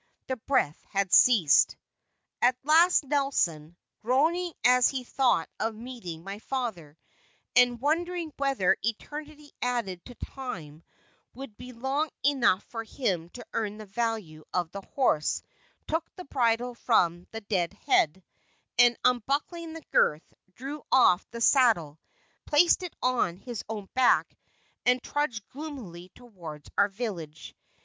The breath had ceased. At last Nelson, groaning as he thought of meeting my father, and wondering whether eternity added to time would be long enough for him to earn the value of the horse, took the bridle from the "dead head," and unbuckling the girth, drew off the saddle, placed it on his own back, and trudged gloomily towards our village.